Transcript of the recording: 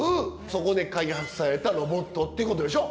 そこで開発されたロボットってことでしょ。